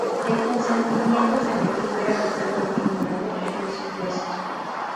El consentimiento femenino era totalmente ignorado o presupuesto.